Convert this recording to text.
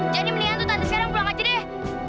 jadi mendingan tuh tante sekarang pulang aja deh